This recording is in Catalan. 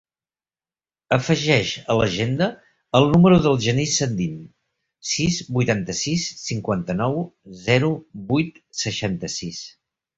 Afegeix a l'agenda el número del Genís Sendin: sis, vuitanta-sis, cinquanta-nou, zero, vuit, seixanta-sis.